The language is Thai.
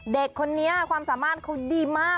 เด็กคนนี้ความสามารถเขาดีมาก